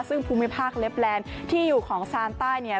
ซึ่งภูมิภาคเล็บแลนด์ที่อยู่ของซานใต้เนี่ย